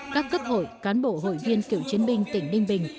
các cấp hội cán bộ hội viên cựu chiến binh tỉnh đinh bình